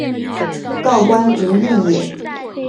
告官无益也。